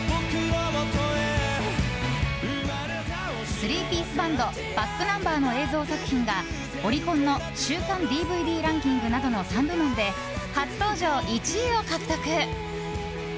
スリーピースバンドｂａｃｋｎｕｍｂｅｒの映像作品がオリコンの週間ＤＶＤランキングで初登場１位を獲得。